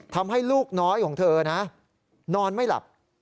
ทำให้ลูกน้อยของเธอนะนอนไม่หลับ